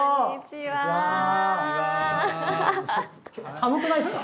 寒くないですか？